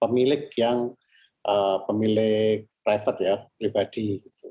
pemilik yang pemilik private ya pribadi